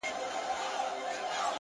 د باران ورو کېدل د سکون احساس زیاتوي,